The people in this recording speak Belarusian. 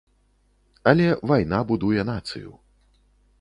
Але вайна будуе нацыю.